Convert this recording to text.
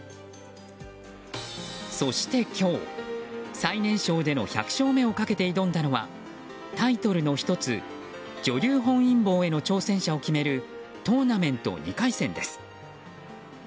そして今日、最年少での１００勝目をかけて挑んだのはタイトルの１つ女流本因坊への挑戦者を決めるトーナメント２回戦です。